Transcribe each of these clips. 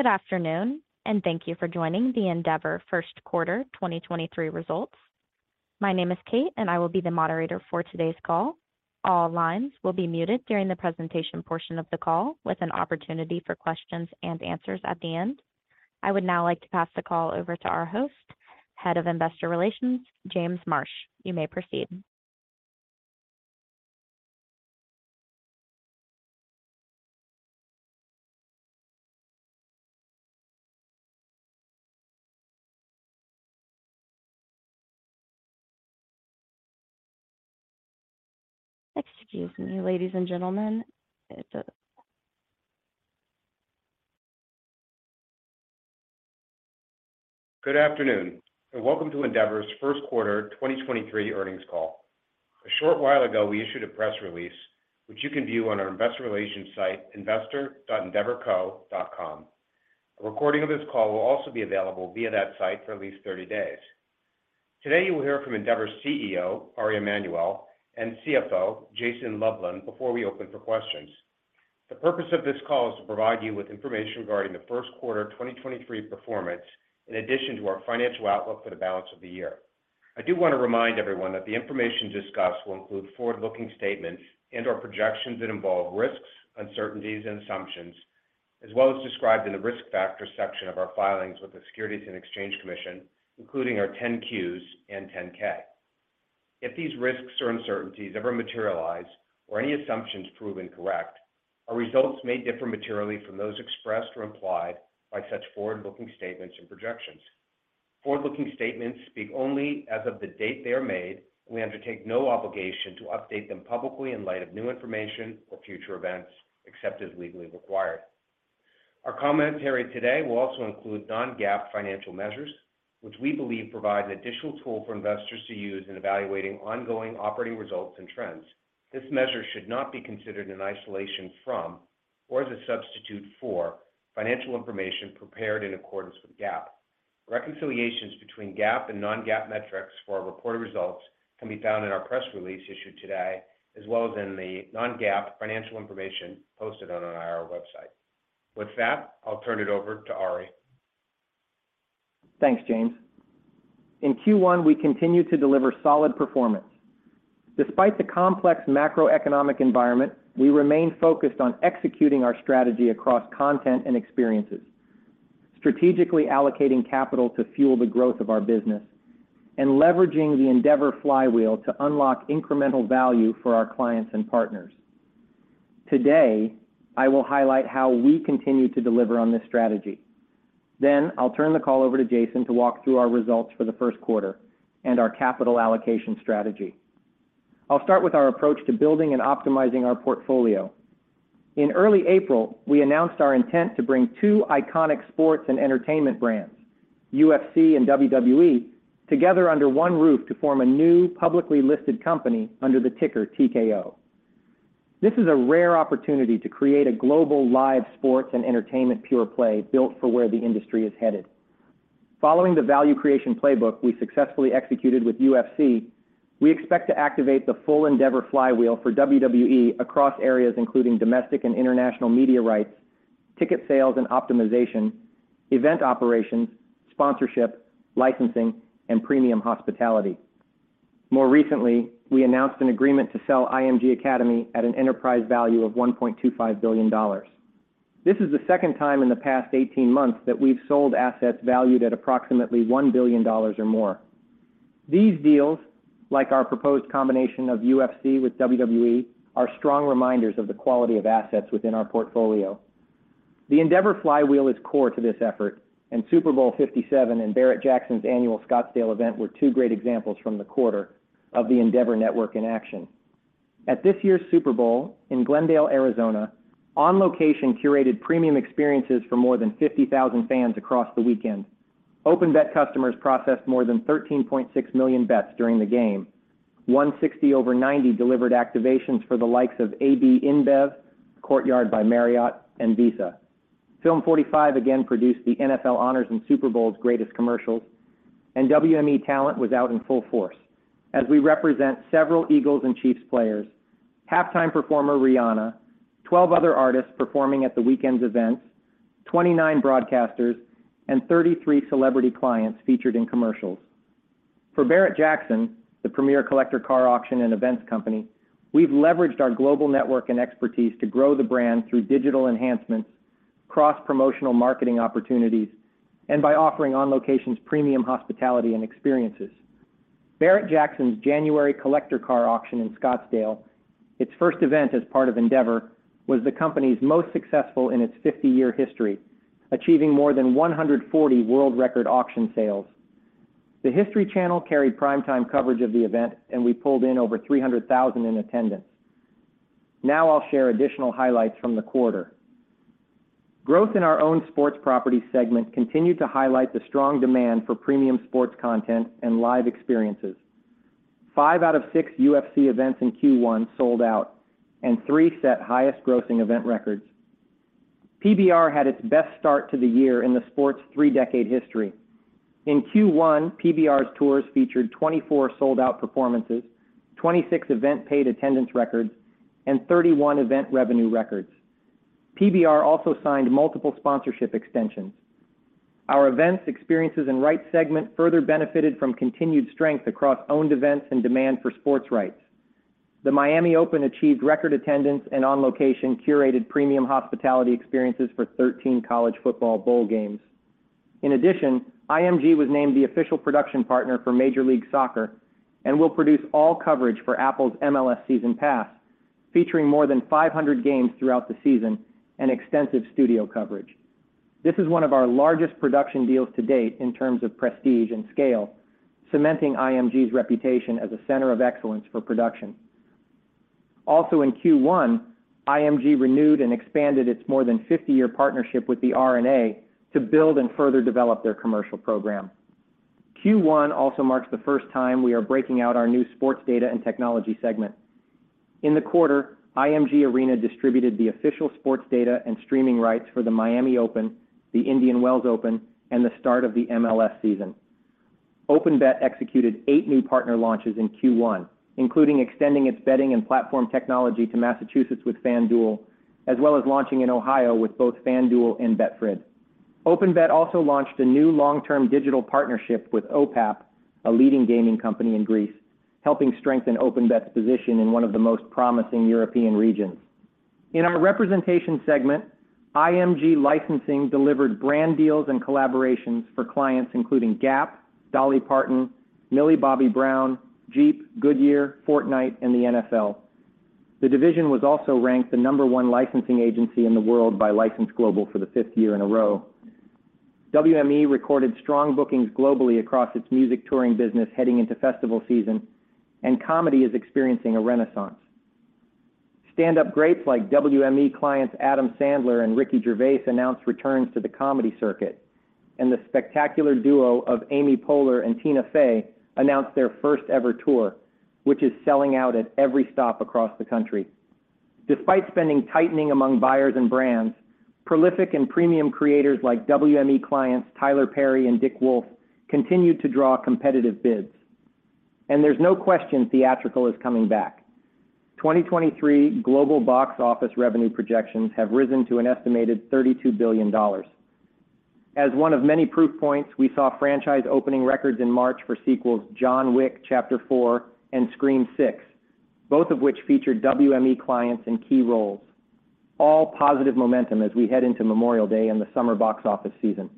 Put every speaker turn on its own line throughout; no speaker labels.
Good afternoon. Thank you for joining the Endeavor first quarter 2023 results. My name is Kate. I will be the moderator for today's call. All lines will be muted during the presentation portion of the call with an opportunity for questions and answers at the end. I would now like to pass the call over to our host, Head of Investor Relations, James Marsh. You may proceed. Excuse me, ladies and gentlemen.
Good afternoon, welcome to Endeavor's first quarter 2023 earnings call. A short while ago, we issued a press release which you can view on our investor relations site, investor.endeavorco.com. A recording of this call will also be available via that site for at least 30 days. Today, you will hear from Endeavor's CEO, Ari Emanuel, and CFO, Jason Lublin, before we open for questions. The purpose of this call is to provide you with information regarding the first quarter of 2023 performance in addition to our financial outlook for the balance of the year. I do wanna remind everyone that the information discussed will include forward-looking statements and/or projections that involve risks, uncertainties, and assumptions, as well as described in the risk factors section of our filings with the Securities and Exchange Commission, including our 10-Qs and 10-K. If these risks or uncertainties ever materialize or any assumptions prove incorrect, our results may differ materially from those expressed or implied by such forward-looking statements and projections. We undertake no obligation to update them publicly in light of new information or future events, except as legally required. Our commentary today will also include non-GAAP financial measures, which we believe provide an additional tool for investors to use in evaluating ongoing operating results and trends. This measure should not be considered in isolation from or as a substitute for financial information prepared in accordance with GAAP. Reconciliations between GAAP and non-GAAP metrics for our reported results can be found in our press release issued today, as well as in the non-GAAP financial information posted on our IR website. With that, I'll turn it over to Ari.
Thanks, James. In Q1, we continued to deliver solid performance. Despite the complex macroeconomic environment, we remain focused on executing our strategy across content and experiences, strategically allocating capital to fuel the growth of our business, and leveraging the Endeavor flywheel to unlock incremental value for our clients and partners. Today, I will highlight how we continue to deliver on this strategy. I'll turn the call over to Jason to walk through our results for the first quarter and our capital allocation strategy. I'll start with our approach to building and optimizing our portfolio. In early April, we announced our intent to bring two iconic sports and entertainment brands, UFC and WWE, together under one roof to form a new publicly listed company under the ticker TKO. This is a rare opportunity to create a global live sports and entertainment pure play built for where the industry is headed. Following the value creation playbook we successfully executed with UFC, we expect to activate the full Endeavor flywheel for WWE across areas including domestic and international media rights, ticket sales and optimization, event operations, sponsorship, licensing, and premium hospitality. More recently, we announced an agreement to sell IMG Academy at an enterprise value of $1.25 billion. This is the second time in the past 18 months that we've sold assets valued at approximately $1 billion or more. These deals, like our proposed combination of UFC with WWE, are strong reminders of the quality of assets within our portfolio. The Endeavor flywheel is core to this effort, and Super Bowl LVII and Barrett-Jackson's annual Scottsdale event were two great examples from the quarter of the Endeavor network in action. At this year's Super Bowl in Glendale, Arizona, On Location curated premium experiences for more than 50,000 fans across the weekend. OpenBet customers processed more than 13.6 million bets during the game. 160over90 delivered activations for the likes of AB InBev, Courtyard by Marriott, and Visa. Film 45 again produced the NFL Honors and Super Bowl's greatest commercials. WME talent was out in full force as we represent several Eagles and Chiefs players, halftime performer Rihanna, 12 other artists performing at the weekend's events, 29 broadcasters, and 33 celebrity clients featured in commercials. For Barrett-Jackson, the premier collector car auction and events company, we've leveraged our global network and expertise to grow the brand through digital enhancements, cross-promotional marketing opportunities, and by offering On Location's premium hospitality and experiences. Barrett-Jackson's January collector car auction in Scottsdale, its first event as part of Endeavor, was the company's most successful in its 50-year history, achieving more than 140 world record auction sales. The History Channel carried primetime coverage of the event. We pulled in over 300,000 in attendance. Now I'll share additional highlights from the quarter. Growth in our own sports property segment continued to highlight the strong demand for premium sports content and live experiences. five out of six UFC events in Q1 sold out, and three set highest grossing event records. PBR had its best start to the year in the sport's three decade history. In Q1, PBR's tours featured 24 sold-out performances, 26 event paid attendance records, and 31 event revenue records. PBR also signed multiple sponsorship extensions. Our events, experiences, and rights segment further benefited from continued strength across owned events and demand for sports rights. The Miami Open achieved record attendance and On Location curated premium hospitality experiences for 13 college football bowl games. IMG was named the official production partner for Major League Soccer and will produce all coverage for Apple's MLS Season Pass, featuring more than 500 games throughout the season and extensive studio coverage. This is one of our largest production deals to date in terms of prestige and scale, cementing IMG's reputation as a center of excellence for production. Also in Q1, IMG renewed and expanded its more than 50-year partnership with The R&A to build and further develop their commercial program. Q1 also marks the first time we are breaking out our new sports data and technology segment. In the quarter, IMG ARENA distributed the official sports data and streaming rights for the Miami Open, the Indian Wells Open, and the start of the MLS season. OpenBet executed eight new partner launches in Q1, including extending its betting and platform technology to Massachusetts with FanDuel, as well as launching in Ohio with both FanDuel and Betfred. OpenBet also launched a new long-term digital partnership with OPAP, a leading gaming company in Greece, helping strengthen OpenBet's position in one of the most promising European regions. In our representation segment, IMG Licensing delivered brand deals and collaborations for clients including Gap, Dolly Parton, Millie Bobby Brown, Jeep, Goodyear, Fortnite, and the NFL. The division was also ranked the number-one licensing agency in the world by License Global for the fifth year in a row. WME recorded strong bookings globally across its music touring business heading into festival season, and comedy is experiencing a renaissance. Stand-up greats like WME clients Adam Sandler and Ricky Gervais announced returns to the comedy circuit, and the spectacular duo of Amy Poehler and Tina Fey announced their first-ever tour, which is selling out at every stop across the country. Despite spending tightening among buyers and brands, prolific and premium creators like WME clients Tyler Perry and Dick Wolf continued to draw competitive bids. There's no question theatrical is coming back. 2023 global box office revenue projections have risen to an estimated $32 billion. As one of many proof points, we saw franchise opening records in March for sequels John Wick: Chapter 4 and Scream VI, both of which featured WME clients in key roles. All positive momentum as we head into Memorial Day and the summer box office season.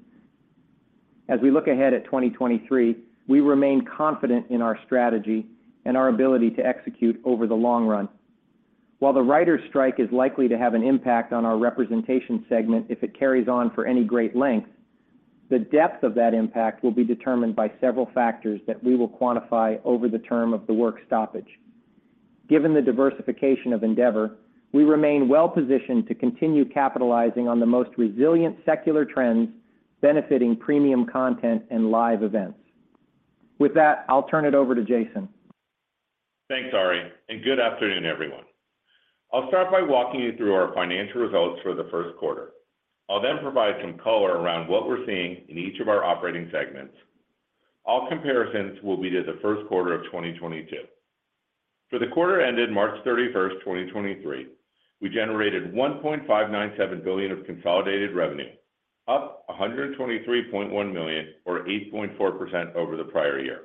We look ahead at 2023, we remain confident in our strategy and our ability to execute over the long run. While the writers' strike is likely to have an impact on our representation segment if it carries on for any great length, the depth of that impact will be determined by several factors that we will quantify over the term of the work stoppage. Given the diversification of Endeavor, we remain well-positioned to continue capitalizing on the most resilient secular trends benefiting premium content and live events. With that, I'll turn it over to Jason.
Thanks, Ari, and good afternoon, everyone. I'll start by walking you through our financial results for the first quarter. I'll provide some color around what we're seeing in each of our operating segments. All comparisons will be to the first quarter of 2022. For the quarter ended March 31st, 2023, we generated $1.597 billion of consolidated revenue, up $123.1 million or 8.4% over the prior year.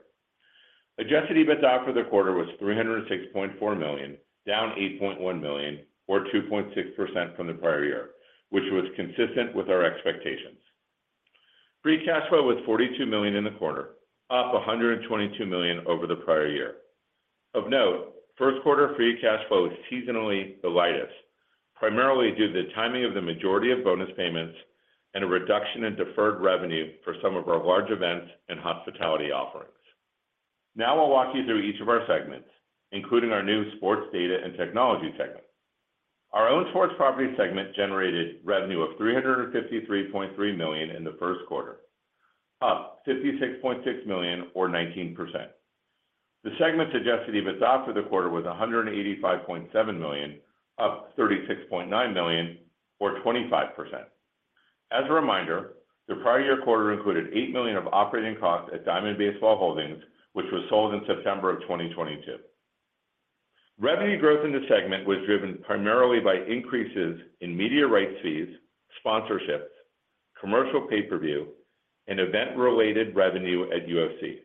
Adjusted EBITDA for the quarter was $306.4 million, down $8.1 million or 2.6% from the prior year, which was consistent with our expectations. Free cash flow was $42 million in the quarter, up $122 million over the prior year. Of note, first quarter free cash flow is seasonally the lightest, primarily due to the timing of the majority of bonus payments and a reduction in deferred revenue for some of our large events and hospitality offerings. I'll walk you through each of our segments, including our new sports data and technology segment. Our own sports property segment generated revenue of $353.3 million in the first quarter, up $56.6 million or 19%. The segment's adjusted EBITDA for the quarter was $185.7 million, up $36.9 million or 25%. As a reminder, the prior year quarter included $8 million of operating costs at Diamond Baseball Holdings, which was sold in September of 2022. Revenue growth in the segment was driven primarily by increases in media rights fees, sponsorships, commercial pay-per-view, and event-related revenue at UFC.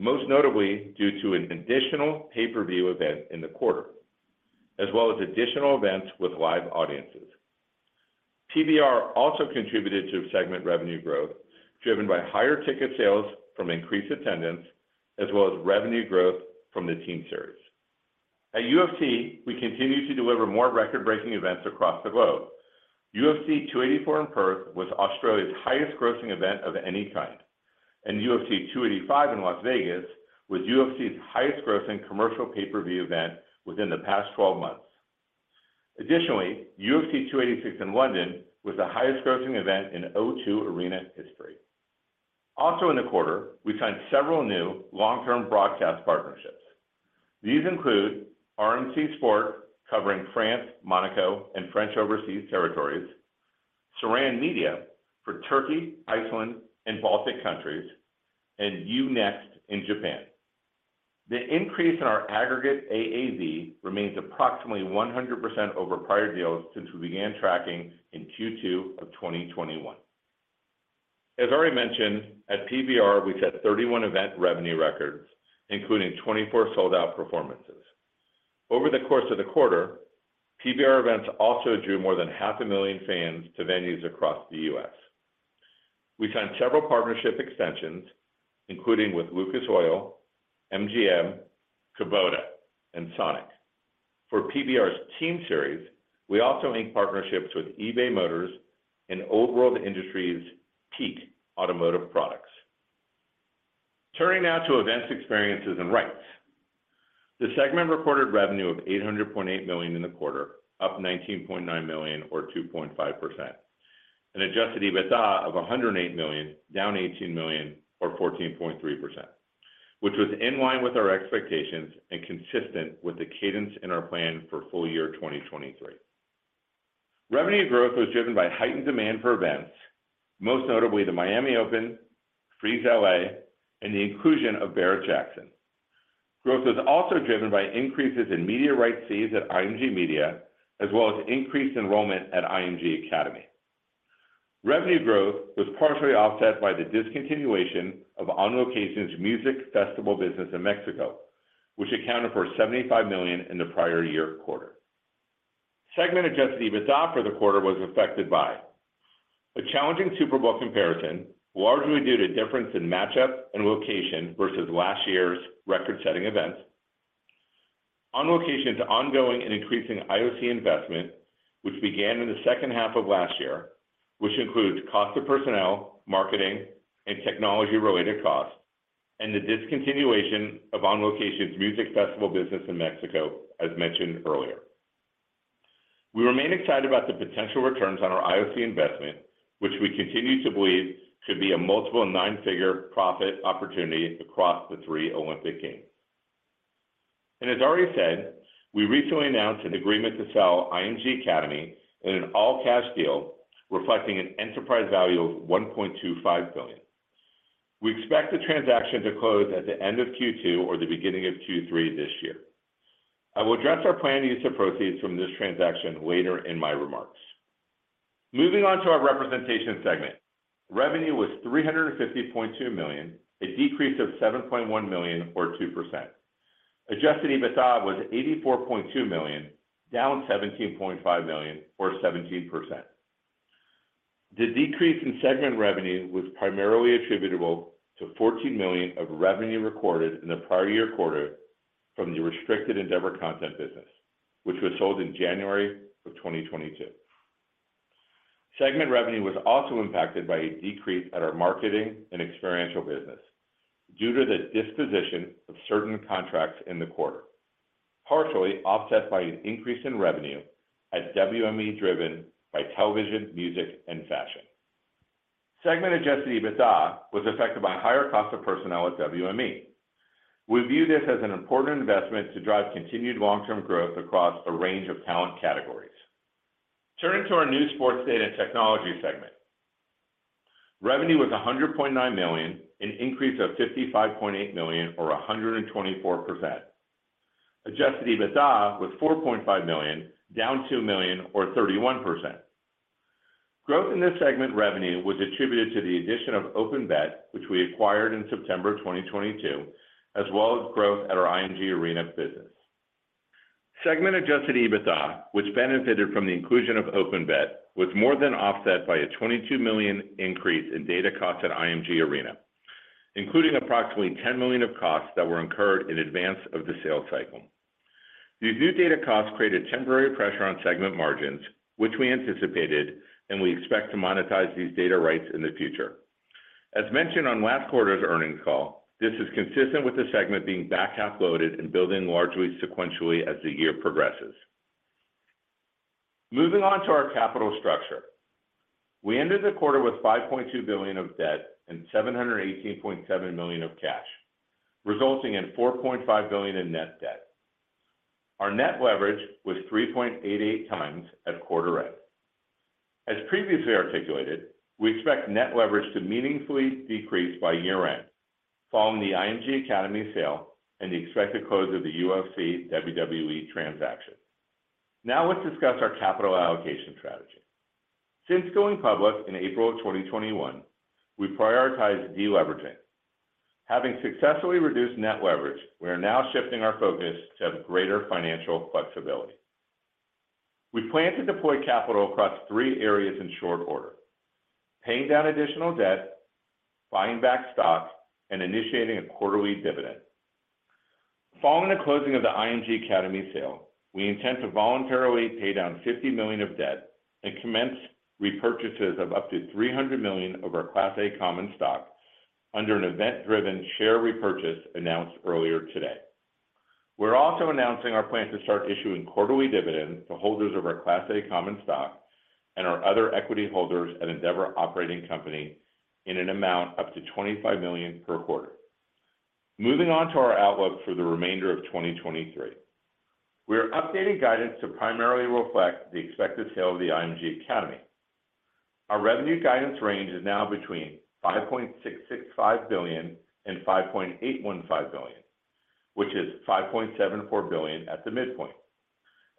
Most notably due to an additional pay-per-view event in the quarter, as well as additional events with live audiences. PBR also contributed to segment revenue growth, driven by higher ticket sales from increased attendance, as well as revenue growth from the Team Series. At UFC, we continue to deliver more record-breaking events across the globe. UFC 284 in Perth was Australia's highest grossing event of any kind, and UFC 285 in Las Vegas was UFC's highest grossing commercial pay-per-view event within the past 12 months. Additionally, UFC 286 in London was the highest grossing event in O2 Arena history. In the quarter, we signed several new long-term broadcast partnerships. These include RMC Sport covering France, Monaco, and French overseas territories, Saran Media for Turkey, Iceland, and Baltic countries, and U-NEXT in Japan. The increase in our aggregate AAV remains approximately 100% over prior deals since we began tracking in Q2 of 2021. As already mentioned, at PBR, we set 31 event revenue records, including 24 sold-out performances. Over the course of the quarter, PBR events also drew more than half a million fans to venues across the U.S. We signed several partnership extensions, including with Lucas Oil, MGM, Kubota, and SONIC. For PBR's Team Series, we also inked partnerships with eBay Motors and Old World Industries PEAK Automotive Products. Turning now to events, experiences, and rights. The segment reported revenue of $800.8 million in the quarter, up $19.9 million or 2.5%. An adjusted EBITDA of $108 million, down $18 million or 14.3%, which was in line with our expectations and consistent with the cadence in our plan for full-year 2023. Revenue growth was driven by heightened demand for events, most notably the Miami Open, Frieze LA, and the inclusion of Barrett-Jackson. Growth was also driven by increases in media right fees at IMG Media, as well as increased enrollment at IMG Academy. Revenue growth was partially offset by the discontinuation of On Location's music festival business in Mexico, which accounted for $75 million in the prior year quarter. Segment adjusted EBITDA for the quarter was affected by a challenging Super Bowl comparison, largely due to difference in matchup and location versus last year's record-setting event. On Location's ongoing and increasing IOC investment, which began in the second half of last year, which includes cost of personnel, marketing, and technology related costs, and the discontinuation of On Location's music festival business in Mexico, as mentioned earlier. We remain excited about the potential returns on our IOC investment, which we continue to believe could be a multiple nine-figure profit opportunity across the three Olympic Games. As already said, we recently announced an agreement to sell IMG Academy in an all-cash deal, reflecting an enterprise value of $1.25 billion. We expect the transaction to close at the end of Q2 or the beginning of Q3 this year. I will address our plan use of proceeds from this transaction later in my remarks. Moving on to our representation segment. Revenue was $350.2 million, a decrease of $7.1 million, or 2%. Adjusted EBITDA was $84.2 million, down $17.5 million, or 17%. The decrease in segment revenue was primarily attributable to $14 million of revenue recorded in the prior year quarter from the restricted Endeavor Content business, which was sold in January 2022. Segment revenue was also impacted by a decrease at our marketing and experiential business due to the disposition of certain contracts in the quarter, partially offset by an increase in revenue at WME, driven by television, music, and fashion. Segment Adjusted EBITDA was affected by higher cost of personnel at WME. We view this as an important investment to drive continued long-term growth across a range of talent categories. Turning to our new sports data technology segment. Revenue was $100.9 million, an increase of $55.8 million, or 124%. Adjusted EBITDA was $4.5 million, down $2 million or 31%. Growth in this segment revenue was attributed to the addition of OpenBet, which we acquired in September 2022, as well as growth at our IMG ARENA business. Segment adjusted EBITDA, which benefited from the inclusion of OpenBet, was more than offset by a $22 million increase in data costs at IMG ARENA, including approximately $10 million of costs that were incurred in advance of the sales cycle. These new data costs created temporary pressure on segment margins, which we anticipated, and we expect to monetize these data rights in the future. As mentioned on last quarter's earnings call, this is consistent with the segment being back half loaded and building largely sequentially as the year progresses. Moving on to our capital structure. We ended the quarter with $5.2 billion of debt and $718.7 million of cash, resulting in $4.5 billion in net debt. Our net leverage was 3.88x at quarter end. As previously articulated, we expect net leverage to meaningfully decrease by year-end, following the IMG Academy sale and the expected close of the UFC WWE transaction. Now let's discuss our capital allocation strategy. Since going public in April of 2021, we prioritize deleveraging. Having successfully reduced net leverage, we are now shifting our focus to have greater financial flexibility. We plan to deploy capital across three areas in short order: paying down additional debt, buying back stock, and initiating a quarterly dividend. Following the closing of the IMG Academy sale, we intend to voluntarily pay down $50 million of debt and commence repurchases of up to $300 million of our Class A common stock under an event-driven share repurchase announced earlier today. We're also announcing our plan to start issuing quarterly dividends to holders of our Class A common stock. Our other equity holders at Endeavor Operating Company in an amount up to $25 million per quarter. Moving on to our outlook for the remainder of 2023. We are updating guidance to primarily reflect the expected sale of the IMG Academy. Our revenue guidance range is now between $5.665 billion and $5.815 billion, which is $5.74 billion at the midpoint.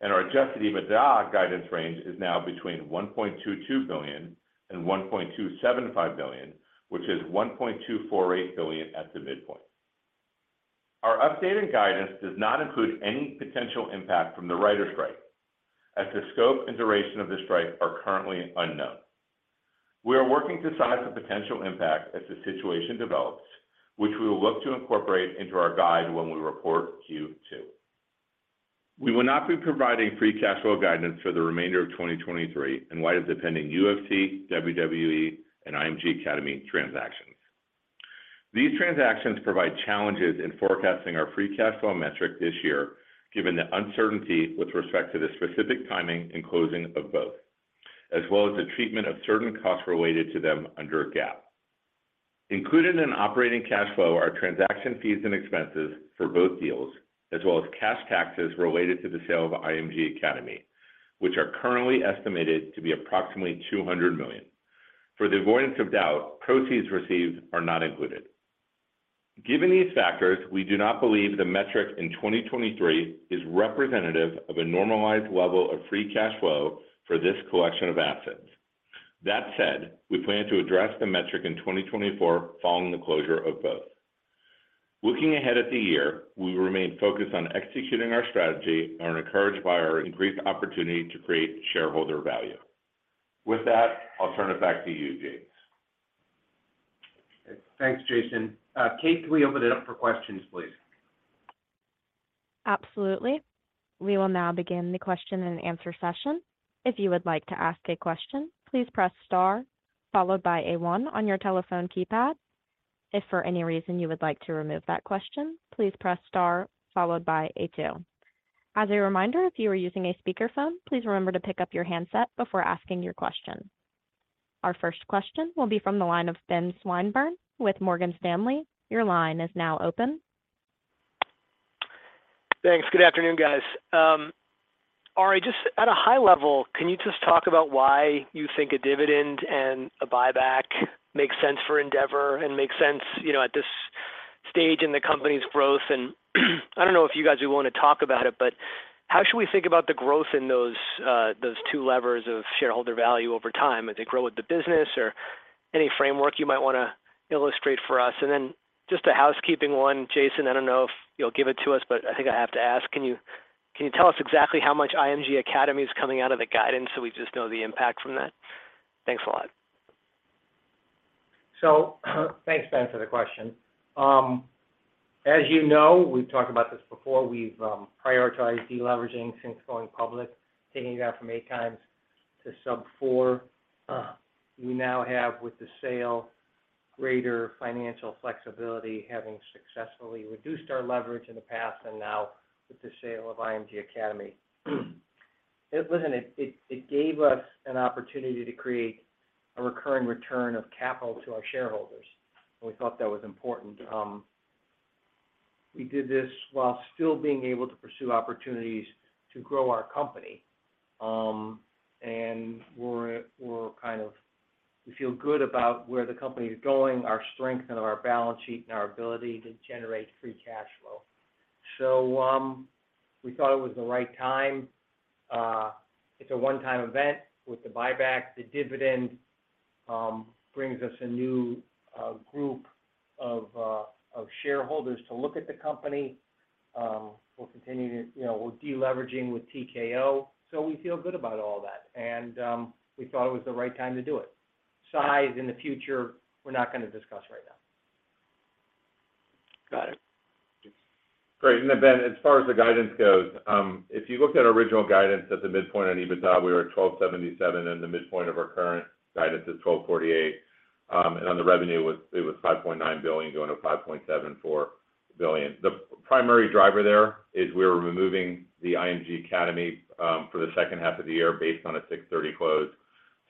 Our adjusted EBITDA guidance range is now between $1.22 billion and $1.275 billion, which is $1.248 billion at the midpoint. Our updated guidance does not include any potential impact from the writers strike, as the scope and duration of the strike are currently unknown. We are working to size the potential impact as the situation develops, which we will look to incorporate into our guide when we report Q2. We will not be providing free cash flow guidance for the remainder of 2023 in light of the pending UFC, WWE, and IMG Academy transactions. These transactions provide challenges in forecasting our free cash flow metric this year, given the uncertainty with respect to the specific timing and closing of both, as well as the treatment of certain costs related to them under GAAP. Included in operating cash flow are transaction fees and expenses for both deals, as well as cash taxes related to the sale of IMG Academy, which are currently estimated to be approximately $200 million. For the avoidance of doubt, proceeds received are not included. Given these factors, we do not believe the metric in 2023 is representative of a normalized level of free cash flow for this collection of assets. That said, we plan to address the metric in 2024 following the closure of both. Looking ahead at the year, we remain focused on executing our strategy and are encouraged by our increased opportunity to create shareholder value. With that, I'll turn it back to you, James.
Thanks, Jason. Kate, can we open it up for questions, please?
Absolutely. We will now begin the question and answer session. If you would like to ask a question, please press star followed by one on your telephone keypad. If for any reason you would like to remove that question, please press star followed by two. As a reminder, if you are using a speakerphone, please remember to pick up your handset before asking your question. Our first question will be from the line of Ben Swinburne with Morgan Stanley. Your line is now open.
Thanks. Good afternoon, guys. Ari, just at a high level, can you just talk about why you think a dividend and a buyback makes sense for Endeavor and makes sense, you know, at this stage in the company's growth? I don't know if you guys would wanna talk about it, but how should we think about the growth in those two levers of shareholder value over time? Do they grow with the business or any framework you might wanna illustrate for us? Then just a housekeeping one. Jason, I don't know if you'll give it to us, but I think I have to ask, can you tell us exactly how much IMG Academy is coming out of the guidance, so we just know the impact from that? Thanks a lot.
Thanks, Ben, for the question. As you know, we've talked about this before. We've prioritized deleveraging since going public, taking it out from 8x to sub 4x. We now have, with the sale, greater financial flexibility, having successfully reduced our leverage in the past and now with the sale of IMG Academy. Listen, it gave us an opportunity to create a recurring return of capital to our shareholders. We thought that was important. We did this while still being able to pursue opportunities to grow our company. And we feel good about where the company is going, our strength and our balance sheet and our ability to generate free cash flow. We thought it was the right time. It's a one-time event with the buyback. The dividend brings us a new group of shareholders to look at the company. We'll continue to, you know, we're deleveraging with TKO. We feel good about all that. We thought it was the right time to do it. Size in the future, we're not gonna discuss right now.
Got it.
Great. Ben, as far as the guidance goes, if you looked at original guidance at the midpoint on EBITDA, we were at $1,277, the midpoint of our current guidance is $1,248. On the revenue it was $5.9 billion going to $5.74 billion. The primary driver there is we're removing the IMG Academy, for the second half of the year based on a 6/30 close.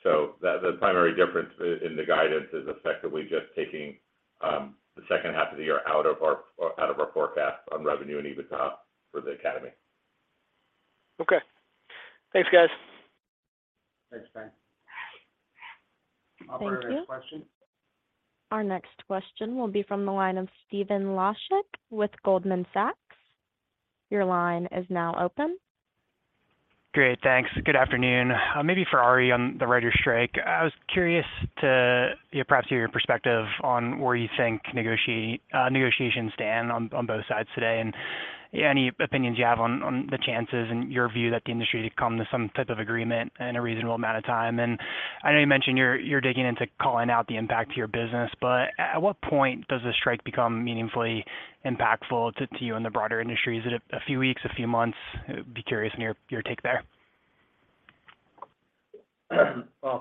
The primary difference in the guidance is effectively just taking the second half of the year out of our forecast on revenue and EBITDA for the academy.
Okay. Thanks, guys.
Thanks, Ben.
Thank you.
Operator, next question.
Our next question will be from the line of Stephen Laszczyk with Goldman Sachs. Your line is now open.
Great. Thanks. Good afternoon. Maybe for Ari on the writers strike. I was curious to perhaps hear your perspective on where you think negotiations stand on both sides today, any opinions you have on the chances and your view that the industry could come to some type of agreement in a reasonable amount of time. I know you mentioned you're digging into calling out the impact to your business, but at what point does the strike become meaningfully impactful to you and the broader industry? Is it a few weeks, a few months? Be curious on your take there.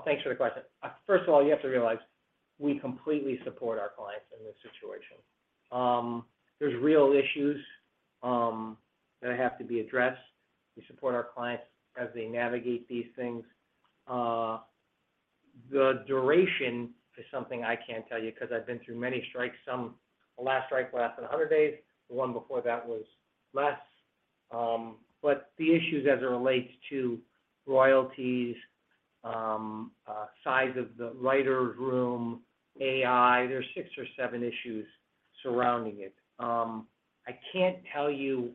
Thanks for the question. First of all, you have to realize we completely support our clients in this situation. There's real issues that have to be addressed. We support our clients as they navigate these things. The duration is something I can't tell you because I've been through many strikes. The last strike lasted 100 days, the one before that was less. The issues as it relates to royalties, size of the writer's room, AI, there's six or seven issues surrounding it. I can't tell you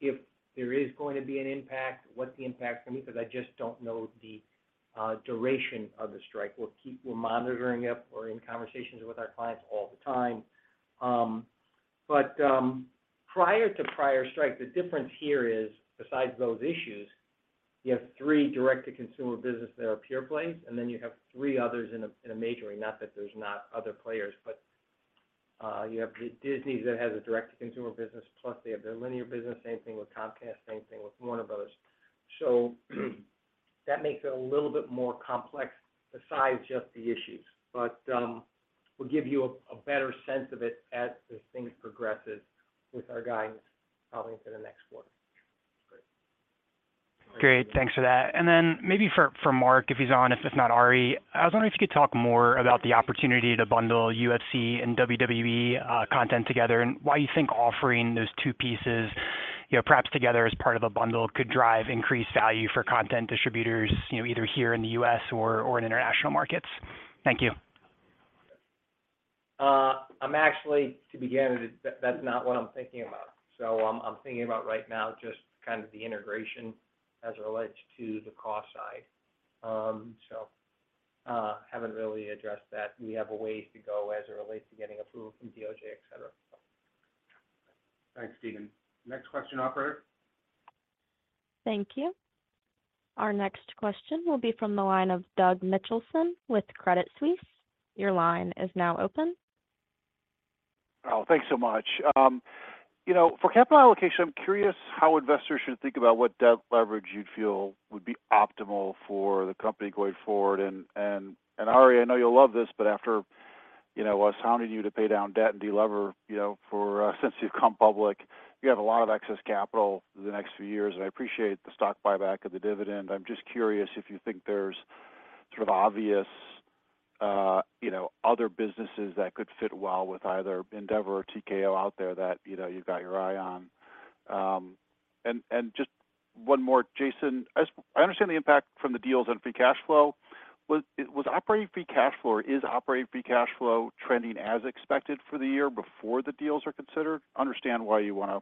if there is going to be an impact, what's the impact for me, because I just don't know the duration of the strike. We're monitoring it. We're in conversations with our clients all the time. Prior to prior strike, the difference here is, besides those issues, you have three direct-to-consumer business that are pure plays, and then you have three others in a major way. Not that there's not other players, you have Disney that has a direct-to-consumer business, plus they have their linear business. Same thing with Comcast. Same thing with Warner Bros. That makes it a little bit more complex besides just the issues. We'll give you a better sense of it as this thing progresses with our guidance probably for the next quarter.
Great.
Great. Thanks for that. Maybe for Mark, if he's on, if not Ari, I was wondering if you could talk more about the opportunity to bundle UFC and WWE content together and why you think offering those two pieces, you know, perhaps together as part of a bundle could drive increased value for content distributors, you know, either here in the U.S. or in international markets. Thank you.
To begin with, that's not what I'm thinking about. I'm thinking about right now just kind of the integration as it relates to the cost side. haven't really addressed that. We have a way to go as it relates to getting approval from DOJ, etc Thanks, Stephen. Next question, operator.
Thank you. Our next question will be from the line of Doug Mitchelson with Credit Suisse. Your line is now open.
Oh, thanks so much. You know, for capital allocation, I'm curious how investors should think about what debt leverage you'd feel would be optimal for the company going forward. Ari, I know you'll love this, but after, you know, us hounding you to pay down debt and de-lever, you know, for, since you've come public, you have a lot of excess capital the next few years, and I appreciate the stock buyback of the dividend. I'm just curious if you think there's sort of obvious, you know, other businesses that could fit well with either Endeavor or TKO out there that, you know, you've got your eye on. Just one more, Jason. I understand the impact from the deals on free cash flow. Was operating free cash flow or is operating free cash flow trending as expected for the year before the deals are considered? Understand why you wanna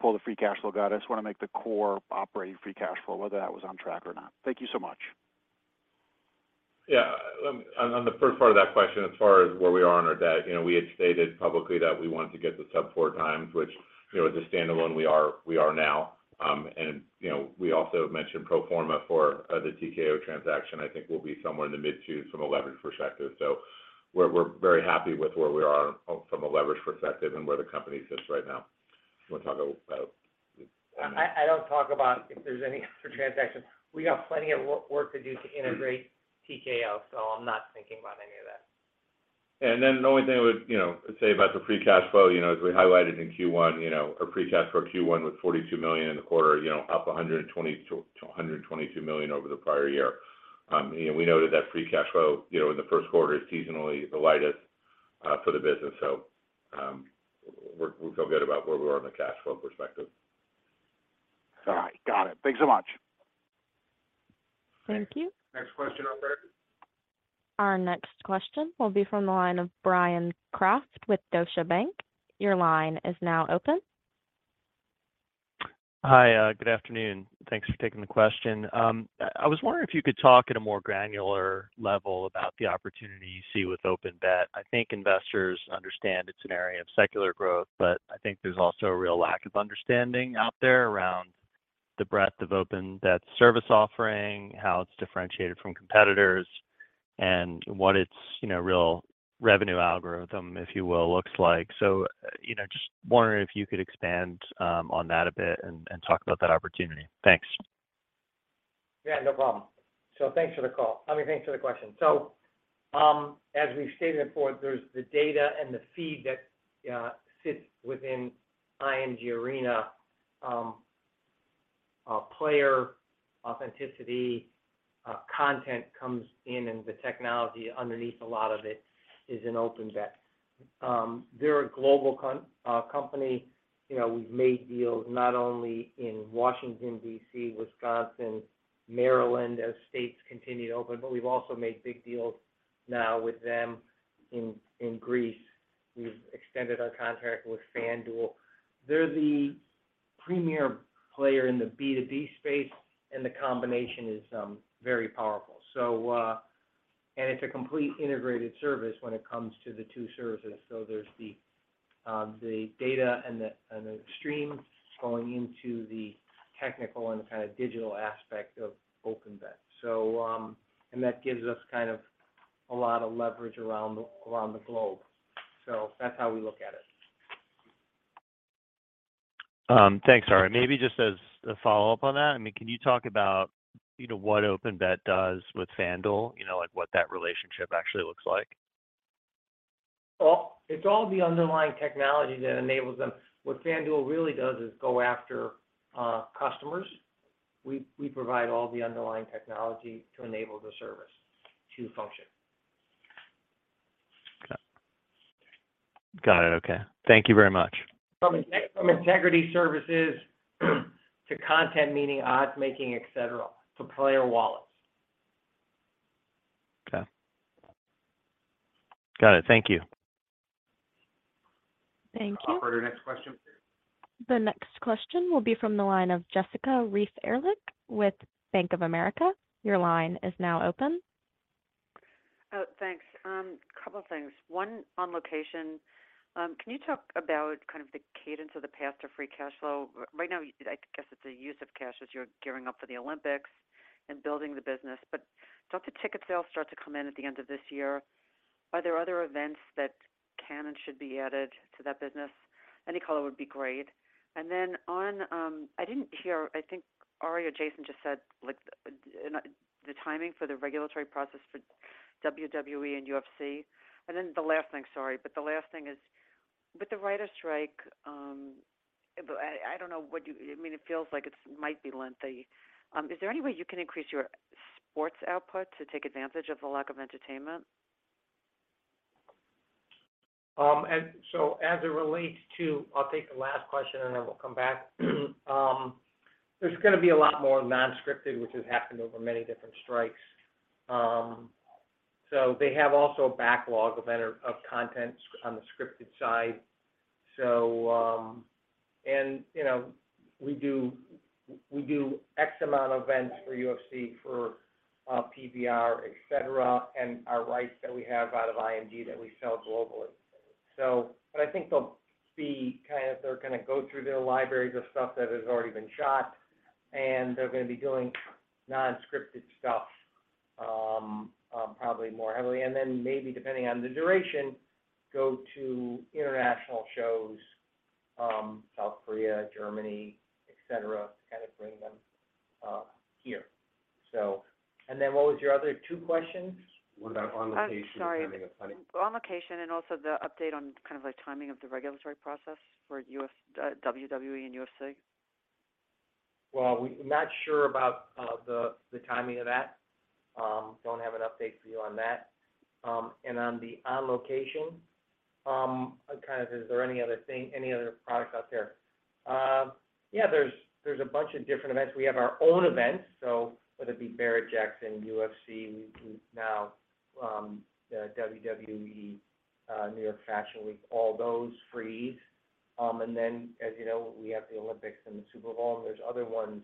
pull the free cash flow guidance. Wanna make the core operating free cash flow, whether that was on track or not. Thank you so much.
Yeah. On the first part of that question, as far as where we are on our debt, you know, we had stated publicly that we wanted to get to sub four times, which, you know, as a standalone we are now. You know, we also mentioned pro forma for the TKO transaction I think will be somewhere in the mid-twos from a leverage perspective. We're very happy with where we are from a leverage perspective and where the company sits right now. You wanna talk about the
I don't talk about if there's any other transactions. We got plenty of work to do to integrate TKO, so I'm not thinking about any of that.
The only thing I would, you know, say about the free cash flow, you know, as we highlighted in Q1, you know, our free cash flow Q1 was $42 million in the quarter, you know, up $120 million-$122 million over the prior year. You know, we noted that free cash flow, you know, in the first quarter is seasonally the lightest for the business. We feel good about where we are in the cash flow perspective.
All right. Got it. Thanks so much.
Thank you.
Next question, operator.
Our next question will be from the line of Bryan Kraft with Deutsche Bank. Your line is now open.
Hi, good afternoon. Thanks for taking the question. I was wondering if you could talk at a more granular level about the opportunity you see with OpenBet. I think investors understand it's an area of secular growth, but I think there's also a real lack of understanding out there around the breadth of OpenBet's service offering, how it's differentiated from competitors, and what its, you know, real revenue algorithm, if you will, looks like. You know, just wondering if you could expand on that a bit and talk about that opportunity. Thanks.
Yeah, no problem. Thanks for the call. I mean, thanks for the question. As we've stated before, there's the data and the feed that sits within IMG ARENA. Player authenticity, content comes in, and the technology underneath a lot of it is in OpenBet. They're a global company. You know, we've made deals not only in Washington, D.C., Wisconsin, Maryland, as states continue to open, but we've also made big deals now with them in Greece. We've extended our contract with FanDuel. They're the premier player in the B2B space, and the combination is very powerful. It's a complete integrated service when it comes to the two services. There's the data and the stream going into the technical and kind of digital aspect of OpenBet. That gives us kind of a lot of leverage around the globe. That's how we look at it.
Thanks, Ari. Maybe just as a follow-up on that, I mean, can you talk about, you know, what OpenBet does with FanDuel? You know, like what that relationship actually looks like?
Well, it's all the underlying technology that enables them. What FanDuel really does is go after customers. We provide all the underlying technology to enable the service to function.
Okay. Got it. Okay. Thank you very much.
From integrity services to content, meaning odds-making, etc, to player wallets.
Okay. Got it. Thank you.
Thank you.
Operator, next question, please.
The next question will be from the line of Jessica Reif Ehrlich with Bank of America. Your line is now open.
Oh, thanks. Couple things. One on Location, can you talk about kind of the cadence of the path to free cash flow? Right now, I guess it's a use of cash as you're gearing up for the Olympics and building the business. Don't the ticket sales start to come in at the end of this year? Are there other events that can and should be added to that business? Any color would be great. Then on, I didn't hear, I think Ari or Jason just said, like, the timing for the regulatory process for WWE and UFC. Then the last thing, sorry, the last thing is, with the writers' strike, I don't know what I mean, it feels like it's might be lengthy. Is there any way you can increase your sports output to take advantage of the lack of entertainment?
As it relates to, I'll take the last question and then we'll come back. There's gonna be a lot more non-scripted, which has happened over many different strikes. They have also a backlog of content on the scripted side. You know, we do, we do X amount of events for UFC, for PBR, et cetera, and our rights that we have out of IMG that we sell globally. I think they'll see, kind of they're gonna go through their libraries of stuff that has already been shot, and they're gonna be doing non-scripted stuff, probably more heavily. Maybe depending on the duration, go to international shows, South Korea, Germany, et cetera, to kind of bring them here. What was your other two questions?
One about On Location.
I'm sorry. On Location and also the update on kind of like timing of the regulatory process for WWE and UFC.
Well, we're not sure about the timing of that. Don't have an update for you on that. On the On Location, kind of is there any other products out there? Yeah, there's a bunch of different events. We have our own events, so whether it be Barrett-Jackson, UFC, we do now, the WWE, New York Fashion Week, all those free. Then as you know, we have the Olympics and the Super Bowl, and there's other ones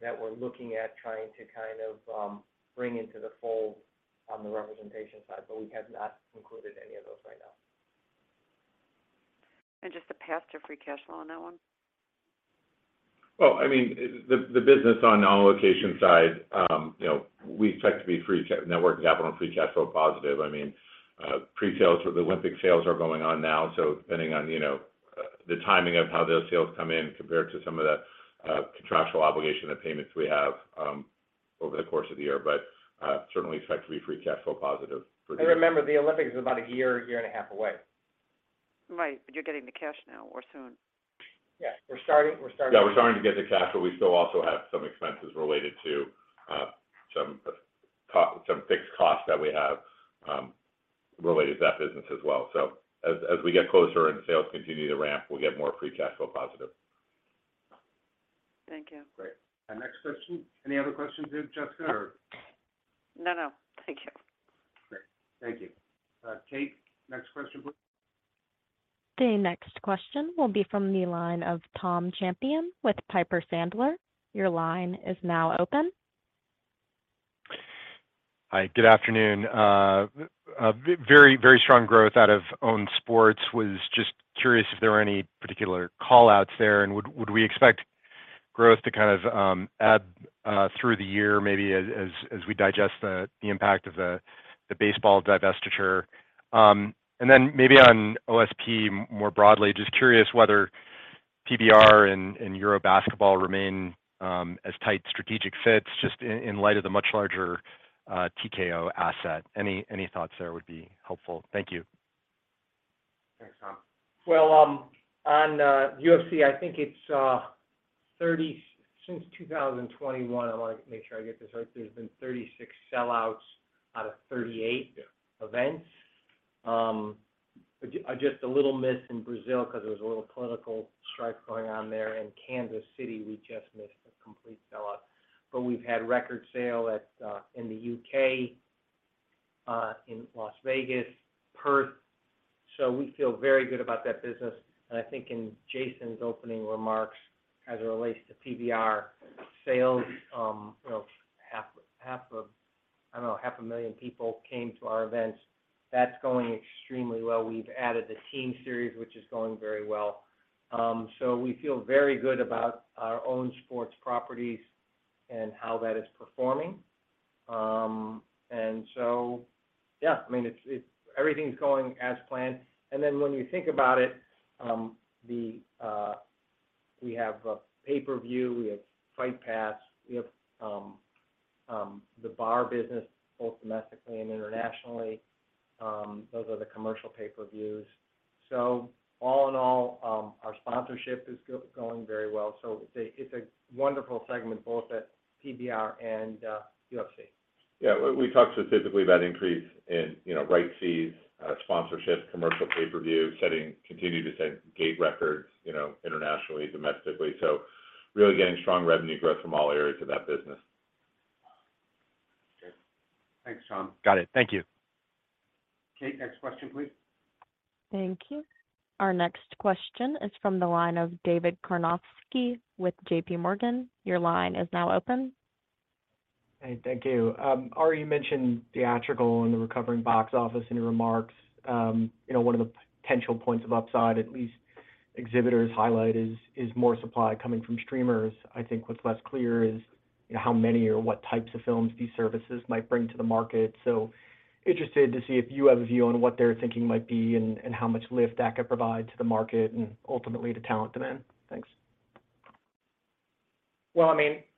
that we're looking at trying to kind of bring into the fold on the representation side. We have not concluded any of those right now.
Just the path to free cash flow on that one?
Well, I mean, the business on On Location side, you know, we expect to be free net working capital and free cash flow positive. I mean, pre-sales for the Olympic sales are going on now, so depending on, you know, the timing of how those sales come in compared to some of the contractual obligation of payments we have over the course of the year. Certainly expect to be free cash flow positive for the year.
Remember, the Olympics are about a year and a half away.
Right. You're getting the cash now or soon.
Yeah. We're starting.
We're starting to get the cash. We still also have some expenses related to some fixed costs that we have related to that business as well. As we get closer and sales continue to ramp, we'll get more free cash flow positive.
Thank you.
Great. Next question. Any other questions here, Jessica, or?
No, no. Thank you.
Great. Thank you. Kate, next question please.
The next question will be from the line of Tom Champion with Piper Sandler. Your line is now open.
Hi. Good afternoon. very, very strong growth out of Own Sports. Was just curious if there were any particular call-outs there, and would we expect growth to kind of ebb through the year maybe as we digest the impact of the baseball divestiture? And then maybe on OSP more broadly, just curious whether PBR and EuroLeague Basketball remain as tight strategic fits, just in light of the much larger TKO asset. Any thoughts there would be helpful. Thank you.
Thanks, Tom. On UFC, I think it's since 2021, I wanna make sure I get this right, there's been 36 sellouts out of 38 events. just a little miss in Brazil 'cause there was a little political strife going on there. In Kansas City, we just missed a complete sellout. We've had record sale at in the UK, in Las Vegas, Perth. We feel very good about that business. I think in Jason's opening remarks as it relates to PBR sales, you know, half a million people came to our events. That's going extremely well. We've added the Team Series, which is going very well. We feel very good about our own sports properties and how that is performing. Yeah, I mean, everything's going as planned. When you think about it, we have pay-per-view, we have Fight Pass, we have the bar business, both domestically and internationally. Those are the commercial pay-per-views. All in all, our sponsorship is going very well. It's a wonderful segment both at PBR and UFC.
Yeah. We talked specifically about increase in, you know, right fees, sponsorship, commercial pay-per-view, continue to set gate records, you know, internationally, domestically. Really getting strong revenue growth from all areas of that business.
Good. Thanks, Sean.
Got it. Thank you.
Kate, next question, please.
Thank you. Our next question is from the line of David Karnovsky with JPMorgan. Your line is now open.
Hey, thank you. Ari, you mentioned theatrical and the recovering box office in your remarks. You know, one of the potential points of upside, at least exhibitors highlight, is more supply coming from streamers. I think what's less clear is, you know, how many or what types of films these services might bring to the market. Interested to see if you have a view on what their thinking might be and how much lift that could provide to the market and ultimately to talent demand. Thanks.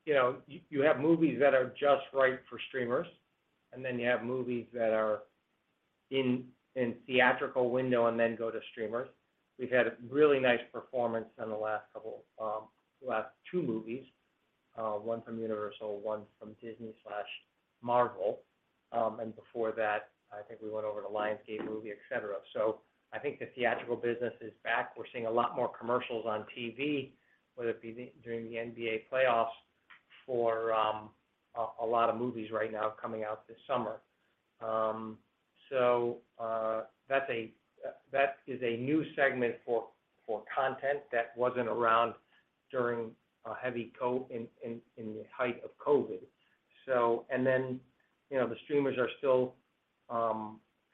You have movies that are just right for streamers, and then you have movies that are in theatrical window and then go to streamers. We've had a really nice performance in the last couple, last two movies, one from Universal, one from Disney/Marvel. Before that, I think we went over to Lionsgate movie, et cetera. I think the theatrical business is back. We're seeing a lot more commercials on TV, whether it be during the NBA playoffs for a lot of movies right now coming out this summer. That is a new segment for content that wasn't around during a heavy in the height of COVID. You know, the streamers are still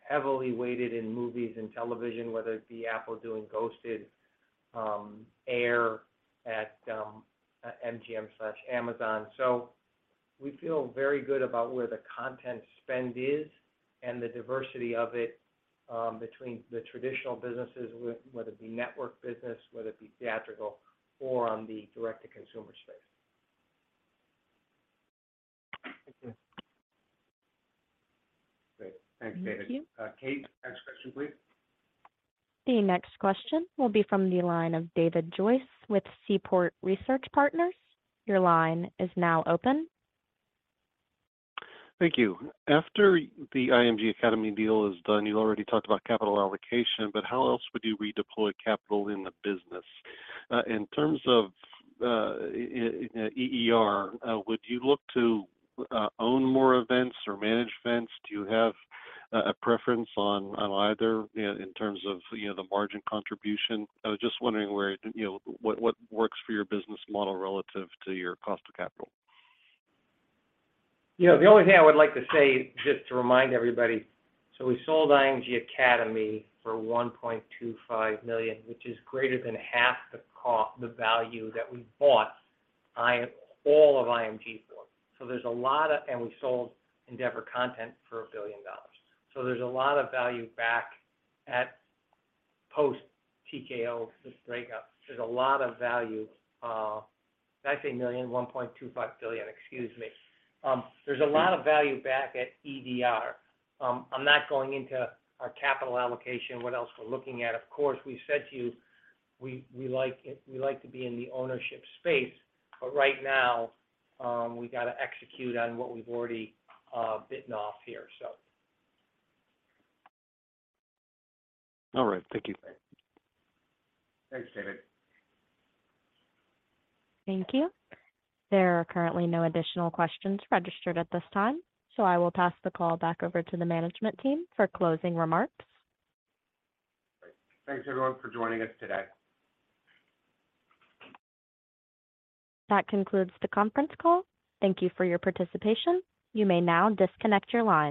heavily weighted in movies and television, whether it be Apple doing Ghosted, Air at MGM/Amazon. We feel very good about where the content spend is and the diversity of it, between the traditional businesses, whether it be network business, whether it be theatrical or on the direct-to-consumer space.
Thank you.
Great. Thanks, David.
Thank you.
Kate, next question, please.
The next question will be from the line of David Joyce with Seaport Research Partners. Your line is now open.
Thank you. After the IMG Academy deal is done, you already talked about capital allocation, but how else would you redeploy capital in the business? In terms of EDR, would you look to own more events or manage events? Do you have a preference on either in terms of, you know, the margin contribution? I was just wondering where, you know, what works for your business model relative to your cost of capital.
You know, the only thing I would like to say, just to remind everybody, we sold IMG Academy for $1.25 million, which is greater than half the value that we bought all of IMG for. There's a lot of. We sold Endeavor Content for $1 billion. There's a lot of value back at post-TKO, this breakup. There's a lot of value. Did I say million? $1.25 billion, excuse me. There's a lot of value back at EDR. I'm not going into our capital allocation, what else we're looking at. Of course, we've said to you we like to be in the ownership space, but right now, we gotta execute on what we've already bitten off here, so.
All right. Thank you.
Thanks.
Thanks, David.
Thank you. There are currently no additional questions registered at this time, so I will pass the call back over to the management team for closing remarks.
Great. Thanks everyone for joining us today.
That concludes the conference call. Thank you for your participation. You may now disconnect your line.